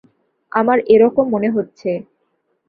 আমার এ রকম মনে হচ্ছে।